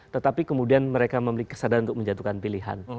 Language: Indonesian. tetapi kemudian mereka memiliki kesadaran untuk menjatuhkan pilihan